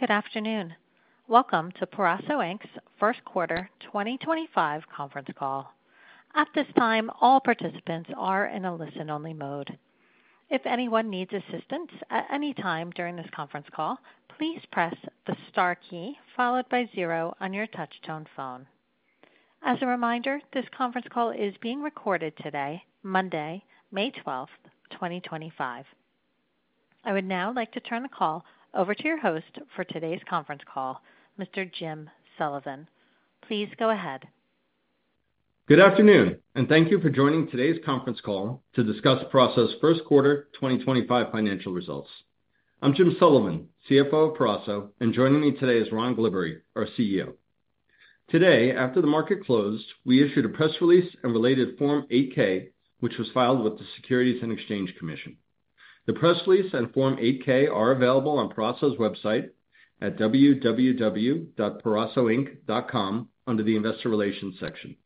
Good afternoon. Welcome to Peraso's first quarter 2025 conference call. At this time, all participants are in a listen-only mode. If anyone needs assistance at any time during this conference call, please press the star key followed by zero on your touch-tone phone. As a reminder, this conference call is being recorded today, Monday, May 12th, 2025. I would now like to turn the call over to your host for today's conference call, Mr. Jim Sullivan. Please go ahead. Good afternoon, and thank you for joining today's conference call to discuss Peraso's first quarter 2025 financial results. I'm Jim Sullivan, CFO of Peraso, and joining me today is Ron Glibbery, our CEO. Today, after the market closed, we issued a press release and related Form 8-K, which was filed with the Securities and Exchange Commission. The press release and Form 8-K are available on Peraso's website at www.peraso-inc.com under the Investor Relations section.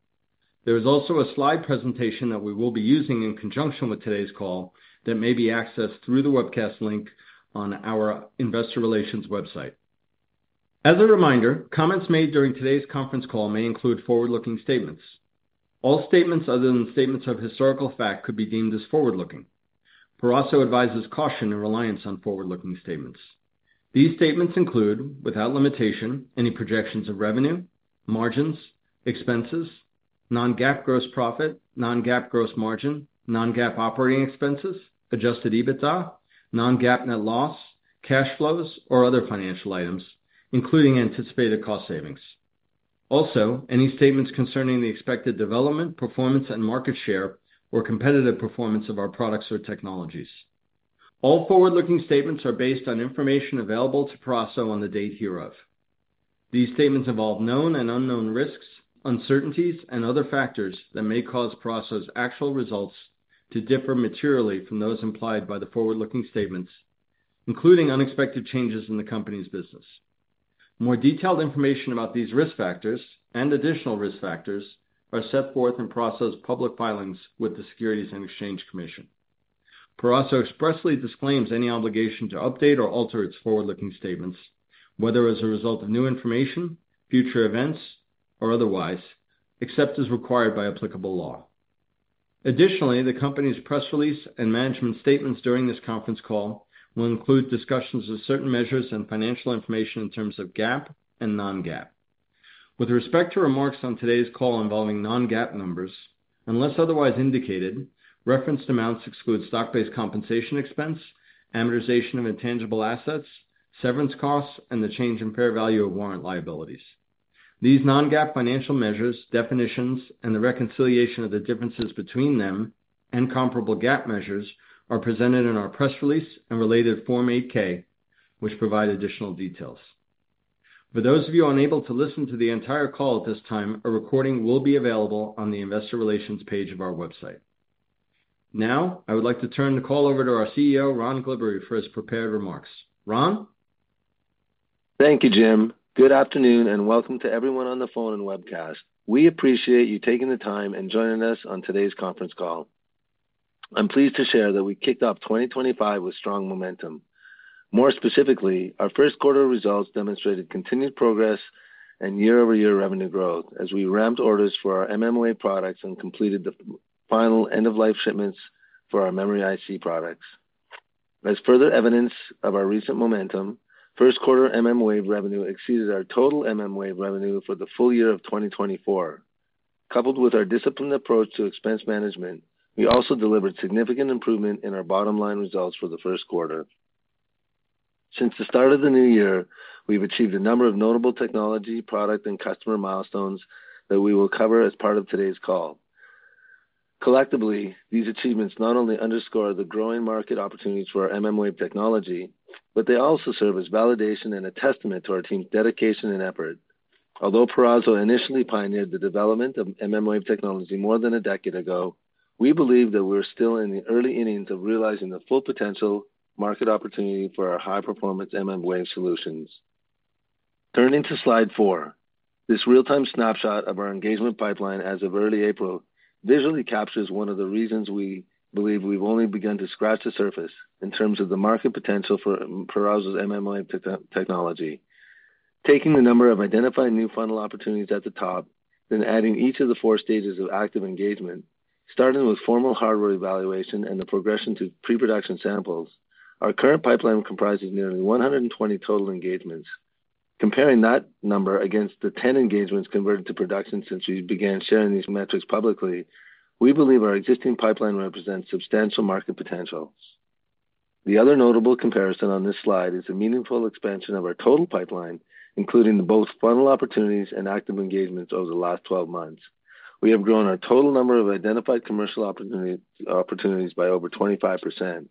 There is also a slide presentation that we will be using in conjunction with today's call that may be accessed through the webcast link on our Investor Relations website. As a reminder, comments made during today's conference call may include forward-looking statements. All statements other than statements of historical fact could be deemed as forward-looking. Peraso advises caution and reliance on forward-looking statements. These statements include, without limitation, any projections of revenue, margins, expenses, non-GAAP gross profit, non-GAAP gross margin, non-GAAP operating expenses, adjusted EBITDA, non-GAAP net loss, cash flows, or other financial items, including anticipated cost savings. Also, any statements concerning the expected development, performance, and market share or competitive performance of our products or technologies. All forward-looking statements are based on information available to Peraso on the date hereof. These statements involve known and unknown risks, uncertainties, and other factors that may cause Peraso's actual results to differ materially from those implied by the forward-looking statements, including unexpected changes in the company's business. More detailed information about these risk factors and additional risk factors are set forth in Peraso's public filings with the Securities and Exchange Commission. Peraso expressly disclaims any obligation to update or alter its forward-looking statements, whether as a result of new information, future events, or otherwise, except as required by applicable law. Additionally, the company's press release and management statements during this conference call will include discussions of certain measures and financial information in terms of GAAP and non-GAAP. With respect to remarks on today's call involving non-GAAP numbers, unless otherwise indicated, referenced amounts exclude stock-based compensation expense, amortization of intangible assets, severance costs, and the change in fair value of warrant liabilities. These non-GAAP financial measures, definitions, and the reconciliation of the differences between them and comparable GAAP measures are presented in our press release and related Form 8-K, which provide additional details. For those of you unable to listen to the entire call at this time, a recording will be available on the Investor Relations page of our website. Now, I would like to turn the call over to our CEO, Ron Glibbery, for his prepared remarks. Ron? Thank you, Jim. Good afternoon and welcome to everyone on the phone and webcast. We appreciate you taking the time and joining us on today's conference call. I'm pleased to share that we kicked off 2025 with strong momentum. More specifically, our first quarter results demonstrated continued progress and year-over-year revenue growth as we ramped orders for our mmWave products and completed the final end-of-life shipments for our memory integrated circuit products. As further evidence of our recent momentum, first quarter mmWave revenue exceeded our total mmWave revenue for the full year of 2024. Coupled with our disciplined approach to expense management, we also delivered significant improvement in our bottom-line results for the first quarter. Since the start of the new year, we've achieved a number of notable technology, product, and customer milestones that we will cover as part of today's call. Collectively, these achievements not only underscore the growing market opportunities for our mmWave technology, but they also serve as validation and a testament to our team's dedication and effort. Although Peraso initially pioneered the development of mmWave technology more than a decade ago, we believe that we are still in the early innings of realizing the full potential market opportunity for our high-performance mmWave Solutions. Turning to slide four, this real-time snapshot of our engagement pipeline as of early April visually captures one of the reasons we believe we've only begun to scratch the surface in terms of the market potential for Peraso's mmWave technology. Taking the number of identified new funnel opportunities at the top, then adding each of the four stages of active engagement, starting with formal hardware evaluation and the progression to pre-production samples, our current pipeline comprises nearly 120 total engagements. Comparing that number against the 10 engagements converted to production since we began sharing these metrics publicly, we believe our existing pipeline represents substantial market potential. The other notable comparison on this slide is a meaningful expansion of our total pipeline, including both funnel opportunities and active engagements over the last 12 months. We have grown our total number of identified commercial opportunities by over 25%.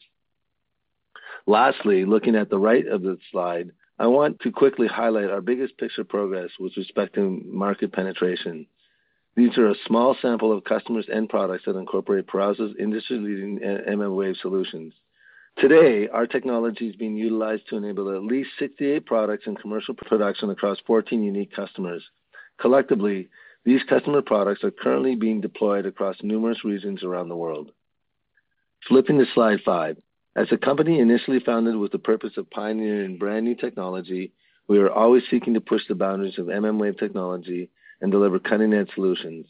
Lastly, looking at the right of the slide, I want to quickly highlight our biggest picture progress with respect to market penetration. These are a small sample of customers and products that incorporate Peraso's industry-leading mmWave Solutions. Today, our technology is being utilized to enable at least 68 products in commercial production across 14 unique customers. Collectively, these customer products are currently being deployed across numerous regions around the world. Flipping to slide five, as a company initially founded with the purpose of pioneering brand new technology, we are always seeking to push the boundaries of mmWave technology and deliver cutting-edge solutions.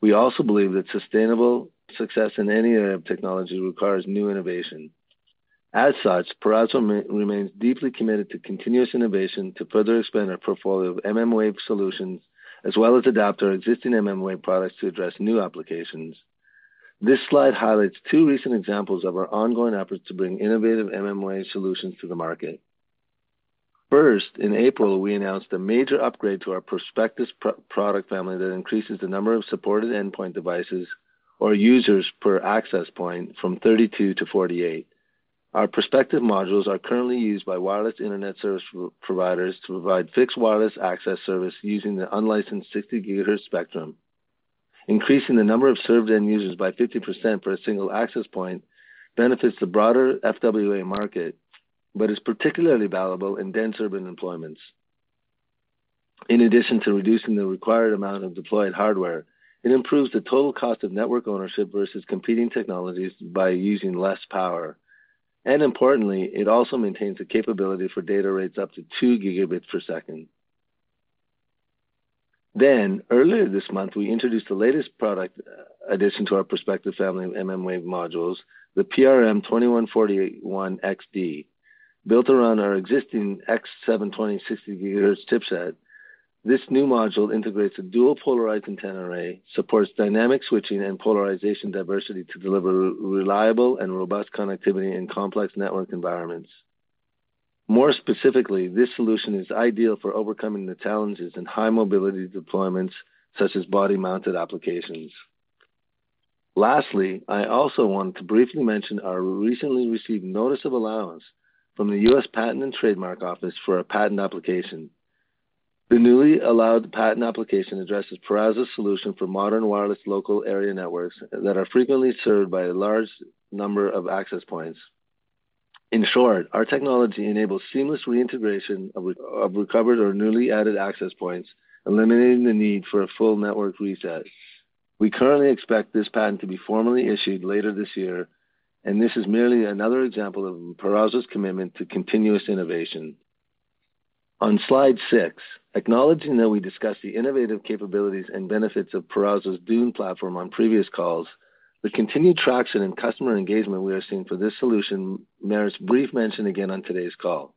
We also believe that sustainable success in any area of technology requires new innovation. As such, Peraso remains deeply committed to continuous innovation to further expand our portfolio of mmWave Solutions, as well as adapt our existing mmWave products to address new applications. This slide highlights two recent examples of our ongoing efforts to bring innovative mmWave Solutions to the market. First, in April, we announced a major upgrade to our Prospectus product family that increases the number of supported endpoint devices or users per access point from 32 GHz to 48 GHz. Our Prospectus modules are currently used by wireless internet service providers to provide fixed wireless access service using the unlicensed 60 GHz spectrum. Increasing the number of served end users by 50% for a single access point benefits the broader FWA market, but is particularly valuable in dense urban deployments. In addition to reducing the required amount of deployed hardware, it improves the total cost of network ownership versus competing technologies by using less power. Importantly, it also maintains the capability for data rates up to 2 GBs per second. Earlier this month, we introduced the latest product addition to our Prospectus family of mmWave modules, the PRM2141-XD. Built around our existing X720 60 GHz chipset, this new module integrates a dual polarized antenna array, supports dynamic switching and polarization diversity to deliver reliable and robust connectivity in complex network environments. More specifically, this solution is ideal for overcoming the challenges in high mobility deployments such as body-mounted applications. Lastly, I also want to briefly mention our recently received notice of allowance from the U.S. Patent and Trademark Office for a patent application. The newly allowed patent application addresses Peraso's solution for modern wireless local area networks that are frequently served by a large number of access points. In short, our technology enables seamless reintegration of recovered or newly added access points, eliminating the need for a full network reset. We currently expect this patent to be formally issued later this year, and this is merely another example of Peraso's commitment to continuous innovation. On slide six, acknowledging that we discussed the innovative capabilities and benefits of Peraso's DUNE platform on previous calls, the continued traction and customer engagement we are seeing for this solution merits brief mention again on today's call.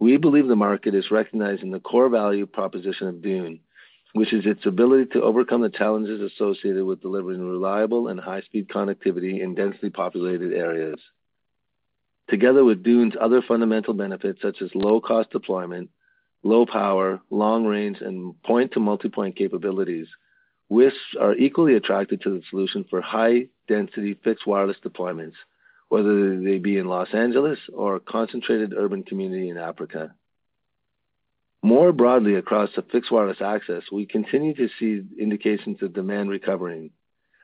We believe the market is recognizing the core value proposition of DUNE, which is its ability to overcome the challenges associated with delivering reliable and high-speed connectivity in densely populated areas. Together with DUNE's other fundamental benefits, such as low-cost deployment, low power, long range, and point-to-multipoint capabilities, WISPs are equally attracted to the solution for high-density fixed wireless deployments, whether they be in Los Angeles or a concentrated urban community in Africa. More broadly, across the fixed wireless access, we continue to see indications of demand recovering.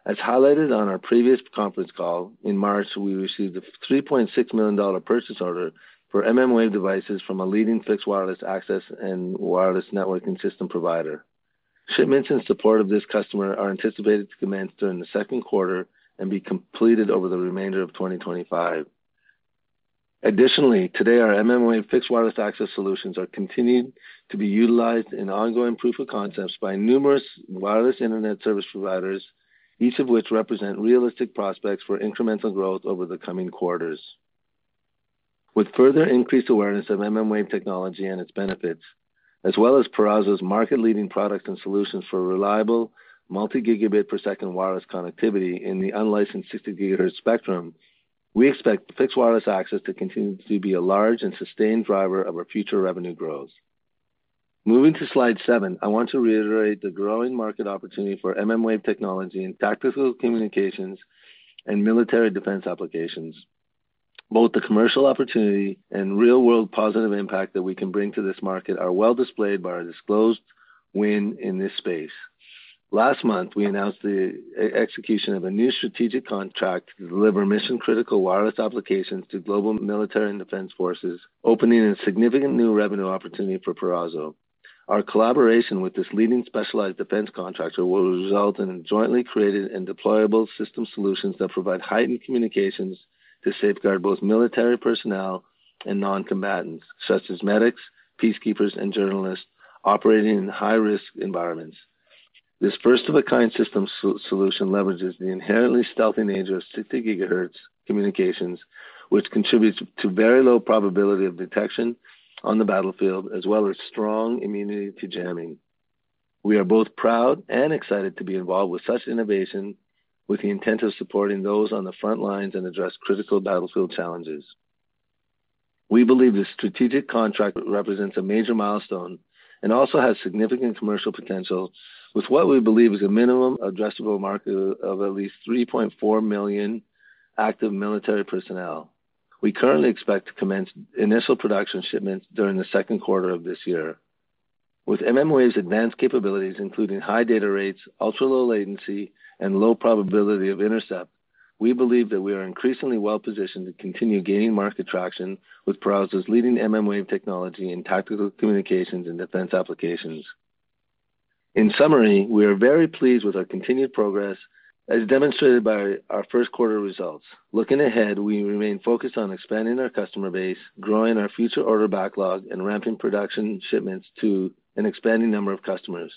As highlighted on our previous conference call in March, we received a $3.6 million purchase order for mmWave devices from a leading fixed wireless access and wireless networking system provider. Shipments in support of this customer are anticipated to commence during the second quarter and be completed over the remainder of 2025. Additionally, today, our mmWave fixed wireless access solutions are continuing to be utilized in ongoing proof of concepts by numerous wireless internet service providers, each of which represents realistic prospects for incremental growth over the coming quarters. With further increased awareness of mmWave technology and its benefits, as well as Peraso's market-leading products and solutions for reliable multi-gigabit per second wireless connectivity in the unlicensed 60 GHz spectrum, we expect fixed wireless access to continue to be a large and sustained driver of our future revenue growth. Moving to slide seven, I want to reiterate the growing market opportunity for mmWave technology in tactical communications and military defense applications. Both the commercial opportunity and real-world positive impact that we can bring to this market are well displayed by our disclosed win in this space. Last month, we announced the execution of a new strategic contract to deliver mission-critical wireless applications to global military and defense forces, opening a significant new revenue opportunity for Peraso. Our collaboration with this leading specialized defense contractor will result in jointly created and deployable system solutions that provide heightened communications to safeguard both military personnel and non-combatants, such as medics, peacekeepers, and journalists operating in high-risk environments. This first-of-a-kind system solution leverages the inherently stealthy nature of 60 GHz communications, which contributes to very low probability of detection on the battlefield, as well as strong immunity to jamming. We are both proud and excited to be involved with such innovation with the intent of supporting those on the front lines and address critical battlefield challenges. We believe this strategic contract represents a major milestone and also has significant commercial potential with what we believe is a minimum addressable market of at least 3.4 million active military personnel. We currently expect to commence initial production shipments during the second quarter of this year. With mmWave's advanced capabilities, including high data rates, ultra-low latency, and low probability of intercept, we believe that we are increasingly well-positioned to continue gaining market traction with Peraso's leading mmWave technology in tactical communications and defense applications. In summary, we are very pleased with our continued progress, as demonstrated by our first quarter results. Looking ahead, we remain focused on expanding our customer base, growing our future order backlog, and ramping production shipments to an expanding number of customers.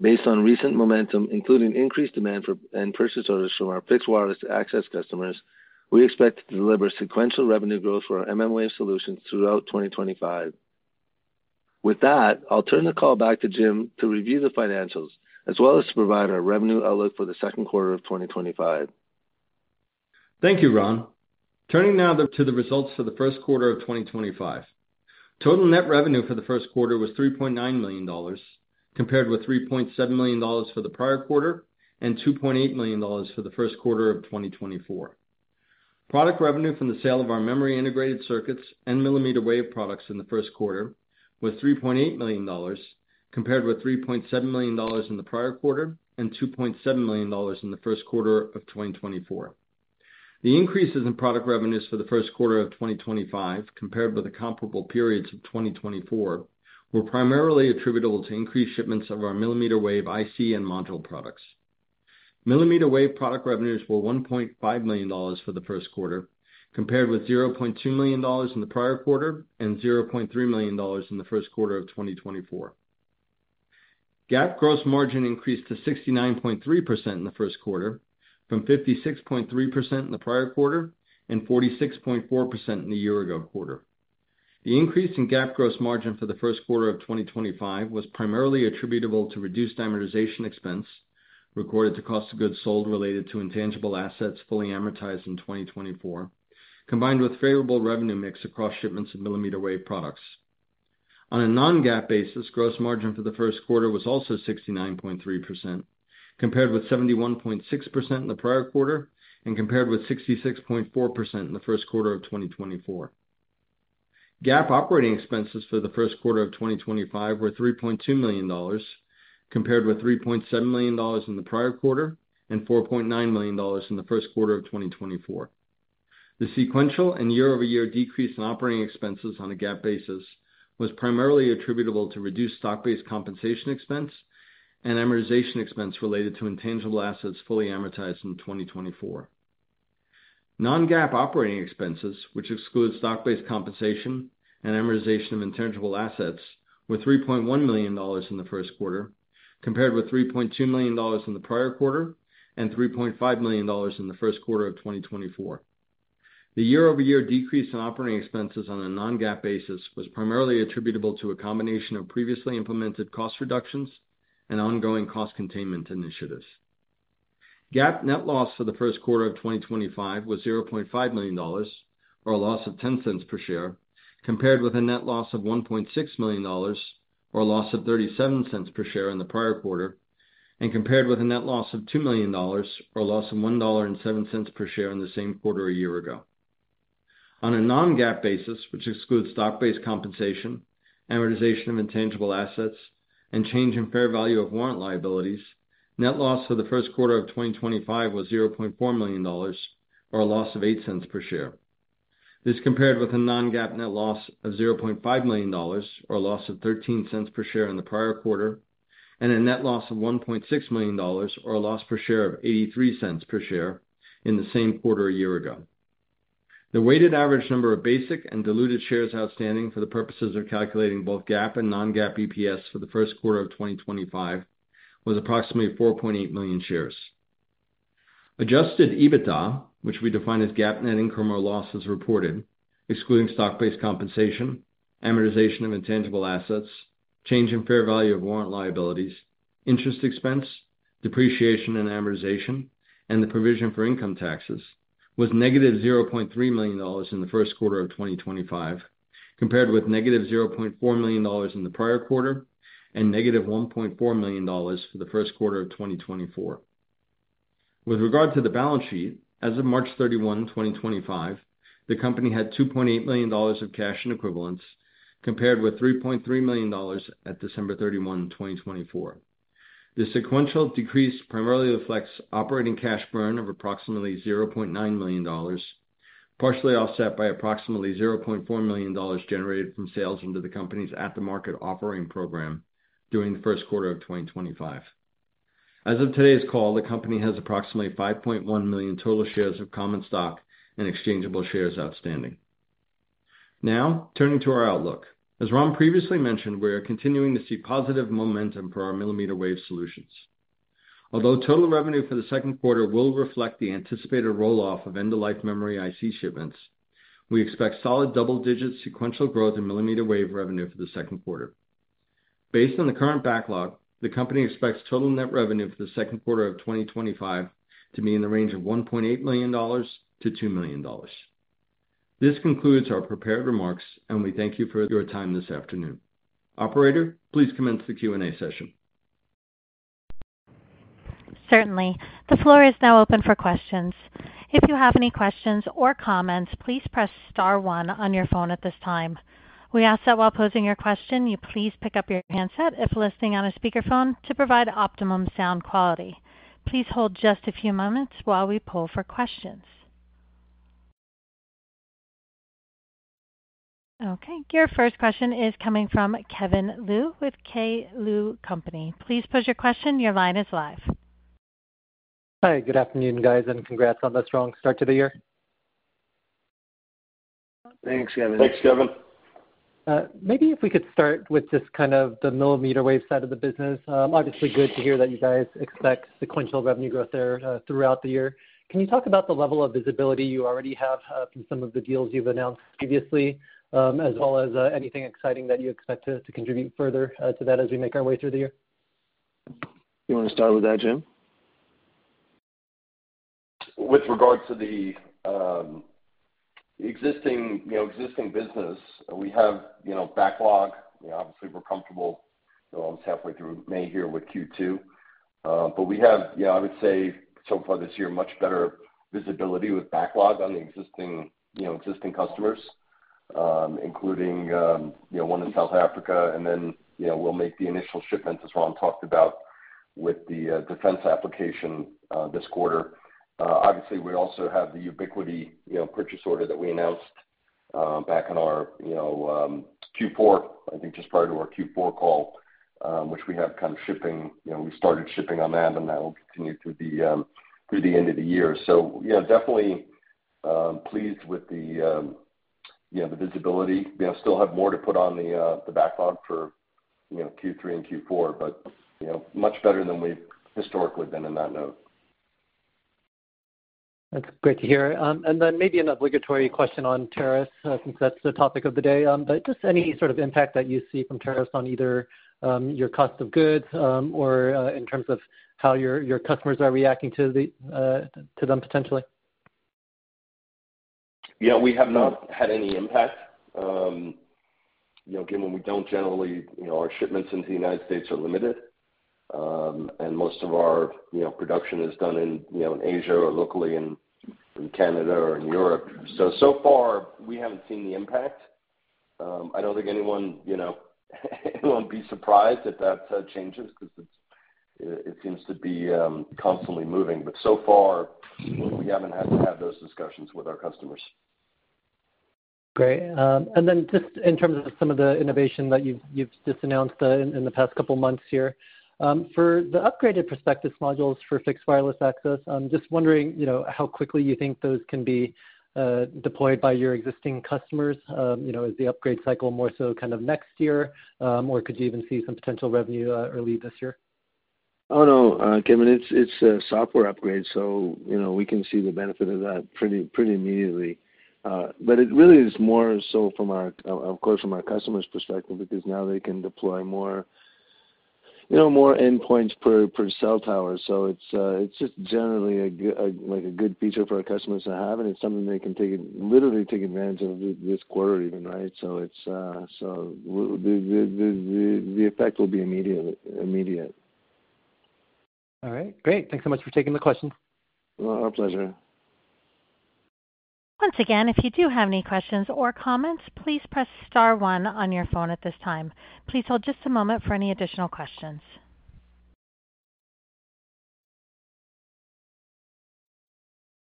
Based on recent momentum, including increased demand for and purchase orders from our fixed wireless access customers, we expect to deliver sequential revenue growth for our mmWave Solutions throughout 2025. With that, I'll turn the call back to Jim to review the financials, as well as to provide our revenue outlook for the second quarter of 2025. Thank you, Ron. Turning now to the results for the first quarter of 2025. Total net revenue for the first quarter was $3.9 million, compared with $3.7 million for the prior quarter and $2.8 million for the first quarter of 2024. Product revenue from the sale of our memory integrated circuits and mmWave products in the first quarter was $3.8 million, compared with $3.7 million in the prior quarter and $2.7 million in the first quarter of 2024. The increases in product revenues for the first quarter of 2025, compared with the comparable periods of 2024, were primarily attributable to increased shipments of our millimeter wave IC and module products. Millimeter wave product revenues were $1.5 million for the first quarter, compared with $0.2 million in the prior quarter and $0.3 million in the first quarter of 2024. GAAP gross margin increased to 69.3% in the first quarter, from 56.3% in the prior quarter and 46.4% in the year-ago quarter. The increase in GAAP gross margin for the first quarter of 2025 was primarily attributable to reduced amortization expense recorded to cost of goods sold related to intangible assets fully amortized in 2024, combined with favorable revenue mix across shipments of millimeter wave products. On a non-GAAP basis, gross margin for the first quarter was also 69.3%, compared with 71.6% in the prior quarter and compared with 66.4% in the first quarter of 2024. GAAP operating expenses for the first quarter of 2025 were $3.2 million, compared with $3.7 million in the prior quarter and $4.9 million in the first quarter of 2024. The sequential and year-over-year decrease in operating expenses on a GAAP basis was primarily attributable to reduced stock-based compensation expense and amortization expense related to intangible assets fully amortized in 2024. Non-GAAP operating expenses, which excludes stock-based compensation and amortization of intangible assets, were $3.1 million in the first quarter, compared with $3.2 million in the prior quarter and $3.5 million in the first quarter of 2024. The year-over-year decrease in operating expenses on a non-GAAP basis was primarily attributable to a combination of previously implemented cost reductions and ongoing cost containment initiatives. GAAP net loss for the first quarter of 2025 was $0.5 million, or a loss of $0.10 per share, compared with a net loss of $1.6 million, or a loss of $0.37 per share in the prior quarter, and compared with a net loss of $2 million, or a loss of $1.07 per share in the same quarter a year ago. On a non-GAAP basis, which excludes stock-based compensation, amortization of intangible assets, and change in fair value of warrant liabilities, net loss for the first quarter of 2025 was $0.4 million, or a loss of $0.08 per share. This compared with a non-GAAP net loss of $0.5 million, or a loss of $0.13 per share in the prior quarter, and a net loss of $1.6 million, or a loss per share of $0.83 per share in the same quarter a year ago. The weighted average number of basic and diluted shares outstanding for the purposes of calculating both GAAP and non-GAAP EPS for the first quarter of 2025 was approximately 4.8 million shares. Adjusted EBITDA, which we define as GAAP net income or loss as reported, excluding stock-based compensation, amortization of intangible assets, change in fair value of warrant liabilities, interest expense, depreciation and amortization, and the provision for income taxes, was -$0.3 million in the first quarter of 2025, compared with -$0.4 million in the prior quarter and -$1.4 million for the first quarter of 2024. With regard to the balance sheet, as of March 31, 2025, the company had $2.8 million of cash and equivalents, compared with $3.3 million at December 31, 2024. The sequential decrease primarily reflects operating cash burn of approximately $0.9 million, partially offset by approximately $0.4 million generated from sales into the company's at-the-market offering program during the first quarter of 2025. As of today's call, the company has approximately 5.1 million total shares of common stock and exchangeable shares outstanding. Now, turning to our outlook. As Ron previously mentioned, we are continuing to see positive momentum for our millimeter wave solutions. Although total revenue for the second quarter will reflect the anticipated roll-off of end-of-life memory integrated circuit shipments, we expect solid double-digit sequential growth in millimeter wave revenue for the second quarter. Based on the current backlog, the company expects total net revenue for the second quarter of 2025 to be in the range of $1.8 million-$2 million. This concludes our prepared remarks, and we thank you for your time this afternoon. Operator, please commence the Q&A session. Certainly. The floor is now open for questions. If you have any questions or comments, please press star one on your phone at this time. We ask that while posing your question, you please pick up your handset if listening on a speakerphone to provide optimum sound quality. Please hold just a few moments while we pull for questions. Okay. Your first question is coming from Kevin Liu with K. Liu Company. Please pose your question. Your line is live. Hi. Good afternoon, guys, and congrats on the strong start to the year. Thanks, Kevin. Thanks, Kevin. Maybe if we could start with just kind of the millimeter wave side of the business. Obviously, good to hear that you guys expect sequential revenue growth there throughout the year. Can you talk about the level of visibility you already have from some of the deals you've announced previously, as well as anything exciting that you expect to contribute further to that as we make our way through the year? You want to start with that, Jim? With regard to the existing business, we have backlog. Obviously, we're comfortable—we're almost halfway through May here with Q2. We have, I would say, so far this year, much better visibility with backlog on the existing customers, including one in South Africa. We will make the initial shipments, as Ron talked about, with the defense application this quarter. Obviously, we also have the Ubiquiti purchase order that we announced back in our Q4, I think just prior to our Q4 call, which we have kind of shipping. We started shipping on that, and that will continue through the end of the year. Definitely pleased with the visibility. We still have more to put on the backlog for Q3 and Q4, but much better than we've historically been in that note. That's great to hear. Maybe an obligatory question on tariffs, since that's the topic of the day. Just any sort of impact that you see from tariffs on either your cost of goods or in terms of how your customers are reacting to them potentially? Yeah. We have not had any impact. Again, when we don't, generally, our shipments into the U.S. are limited, and most of our production is done in Asia or locally in Canada or in Europe. So far, we haven't seen the impact. I don't think anyone will be surprised if that changes because it seems to be constantly moving. So far, we haven't had to have those discussions with our customers. Great. In terms of some of the innovation that you've just announced in the past couple of months here, for the upgraded Prospectus modules for fixed wireless access, I'm just wondering how quickly you think those can be deployed by your existing customers. Is the upgrade cycle more so kind of next year, or could you even see some potential revenue early this year? Oh, no, Kevin. It's a software upgrade, so we can see the benefit of that pretty immediately. But it really is more so from, of course, from our customers' perspective because now they can deploy more endpoints per cell tower. So it's just generally a good feature for our customers to have, and it's something they can literally take advantage of this quarter even, right? So the effect will be immediate. All right. Great. Thanks so much for taking the question. Our pleasure. Once again, if you do have any questions or comments, please press star one on your phone at this time. Please hold just a moment for any additional questions.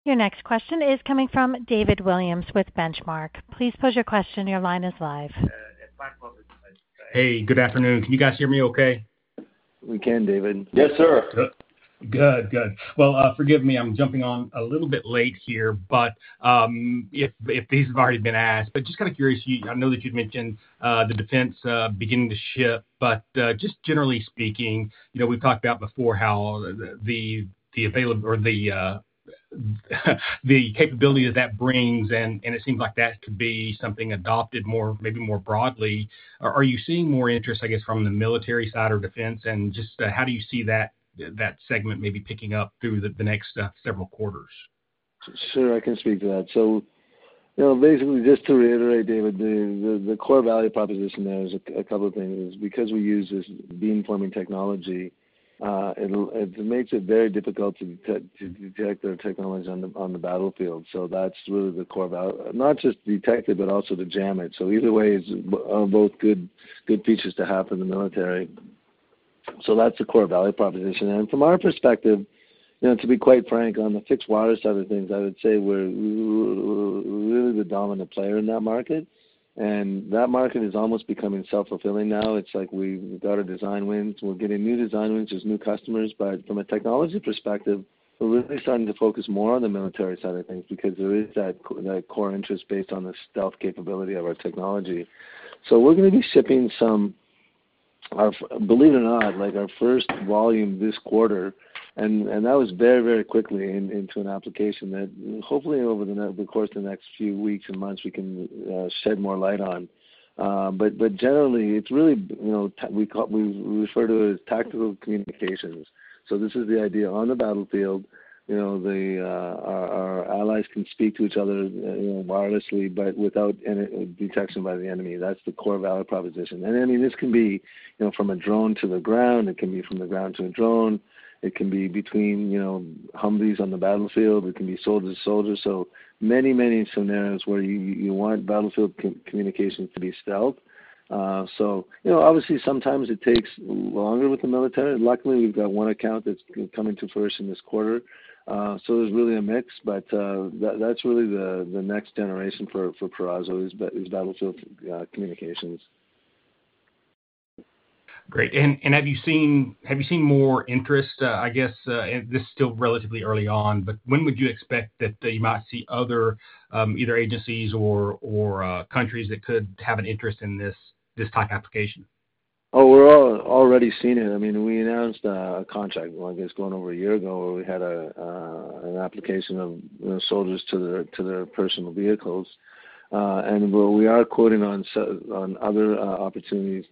Your next question is coming from David Williams with Benchmark. Please pose your question. Your line is live. Hey. Good afternoon. Can you guys hear me okay? We can, David. Yes, sir. Good. Good. Forgive me. I'm jumping on a little bit late here, but if these have already been asked. Just kind of curious. I know that you'd mentioned the defense beginning to ship, but just generally speaking, we've talked about before how the capability that that brings, and it seems like that could be something adopted maybe more broadly. Are you seeing more interest, I guess, from the military side or defense? How do you see that segment maybe picking up through the next several quarters? Sure. I can speak to that. Basically, just to reiterate, David, the core value proposition there is a couple of things. Because we use this beamforming technology, it makes it very difficult to detect the technology on the battlefield. That's really the core value. Not just detect it, but also to jam it. Either way is both good features to have for the military. That's the core value proposition. From our perspective, to be quite frank, on the fixed wireless side of things, I would say we're really the dominant player in that market. That market is almost becoming self-fulfilling now. It's like we've got our design wins. We're getting new design wins. There's new customers. From a technology perspective, we're really starting to focus more on the military side of things because there is that core interest based on the stealth capability of our technology. We're going to be shipping some, believe it or not, our first volume this quarter. That was very, very quickly into an application that hopefully, over the course of the next few weeks and months, we can shed more light on. Generally, we refer to it as tactical communications. This is the idea on the battlefield. Our allies can speak to each other wirelessly but without any detection by the enemy. That's the core value proposition. I mean, this can be from a drone to the ground. It can be from the ground to a drone. It can be between Humvees on the battlefield. It can be soldiers to soldiers. So many, many scenarios where you want battlefield communications to be stealth. Obviously, sometimes it takes longer with the military. Luckily, we've got one account that's coming to fruition this quarter. There's really a mix. That's really the next generation for Peraso is battlefield communications. Great. Have you seen more interest? I guess this is still relatively early on, but when would you expect that you might see other either agencies or countries that could have an interest in this type of application? Oh, we've already seen it. I mean, we announced a contract, I guess, going over a year ago where we had an application of soldiers to their personal vehicles. And we are quoting on other opportunities,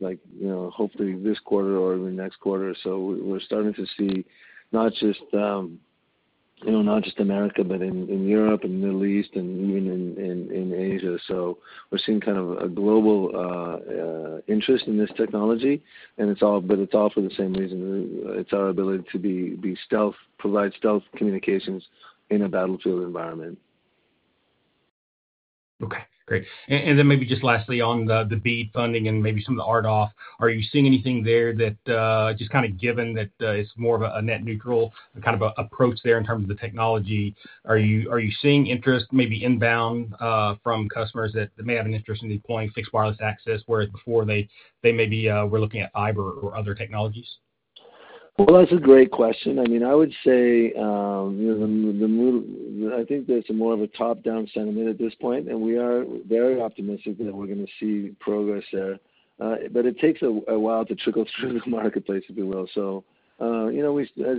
hopefully this quarter or the next quarter. So we're starting to see not just America, but in Europe and the Middle East and even in Asia. We're seeing kind of a global interest in this technology. But it's all for the same reason. It's our ability to provide stealth communications in a battlefield environment. Okay. Great. And then maybe just lastly, on the BEAD funding and maybe some of the RDOF, are you seeing anything there that just kind of given that it's more of a net neutral kind of approach there in terms of the technology, are you seeing interest maybe inbound from customers that may have an interest in deploying fixed wireless access whereas before they maybe were looking at fiber or other technologies? That is a great question. I mean, I would say I think there's more of a top-down sentiment at this point, and we are very optimistic that we're going to see progress there. It takes a while to trickle through the marketplace, if you will. As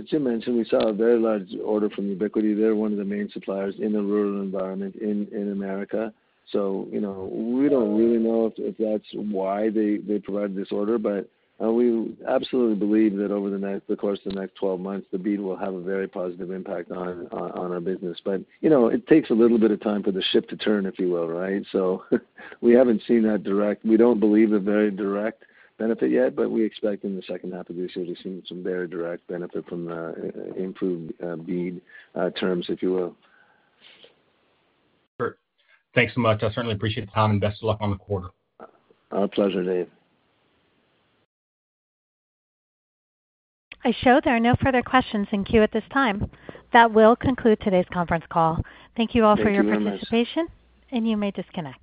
Jim mentioned, we saw a very large order from Ubiquiti. They're one of the main suppliers in the rural environment in America. We do not really know if that is why they provided this order, but we absolutely believe that over the course of the next 12 months, the BEAD will have a very positive impact on our business. It takes a little bit of time for the ship to turn, if you will, right? We have not seen that direct. We do not believe a very direct benefit yet, but we expect in the second half of this year, we will see some very direct benefit from improved BEAD terms, if you will. Sure. Thanks so much. I certainly appreciate the time and best of luck on the quarter. Our pleasure, Dave. I show there are no further questions in queue at this time. That will conclude today's conference call. Thank you all for your participation. You may disconnect.